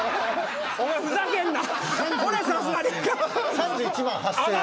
３１万８，０００円。